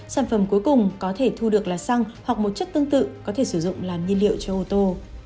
sản phẩm cuối cùng có thể thu được là xăng hoặc một chất tương tự có thể sử dụng làm nhiên liệu cho ô tô